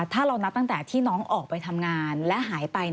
ถ้าเรานับตั้งแต่ที่น้องออกไปทำงานและหายไป